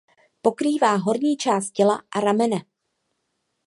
Pokrývá horní část těla a ramena.